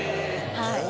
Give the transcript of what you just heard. はい。